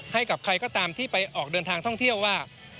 ให้กับใครก็ตามที่ไปออกเดินทางท่องเที่ยวว่า